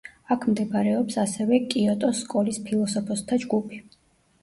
აქ მდებარეობს ასევე კიოტოს სკოლის ფილოსოფოსთა ჯგუფი.